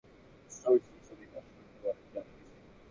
নজির টঙ্গী মডেল থানা পুলিশের সোর্স হিসেবে কাজ করতেন বলে জানা গেছে।